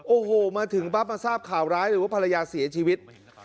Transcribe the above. โอ้โหมาถึงปั๊บมาทราบข่าวร้ายเลยว่าภรรยาเสียชีวิต